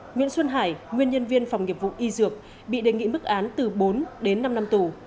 nguyễn xuân hải nguyên nhân viên phòng nghiệp vụ y dược bị đề nghị mức án từ bốn đến năm năm tù